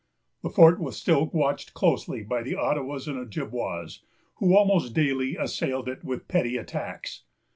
The fort was still watched closely by the Ottawas and Ojibwas, who almost daily assailed it with petty attacks.